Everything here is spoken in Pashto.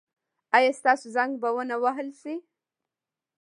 ایا ستاسو زنګ به و نه وهل کیږي؟